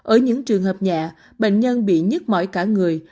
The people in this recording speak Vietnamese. ở những trường hợp nhẹ bệnh nhân bị nhức mỏi cả người